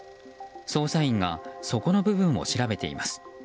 捜査員が底の部分を調べています。